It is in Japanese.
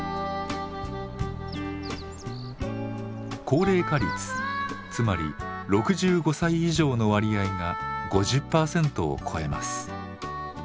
高齢化率つまり６５歳以上の割合が５０％を超えます。